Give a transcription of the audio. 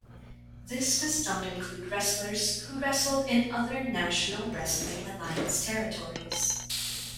This does not include wrestlers who wrestled in other National Wrestling Alliance territories.